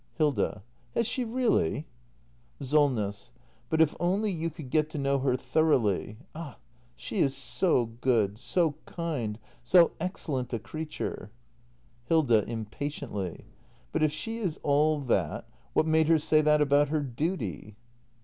Hilda. Has she really ? Solness. But if only you could get to know her thoroughly ! Ah, she is so good — so kind — so excellent a creature Hilda. [Impatiently.] But if she is all that — what made her say that about her duty